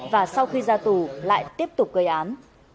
và sau khi ra tù lại tiếp tục gây án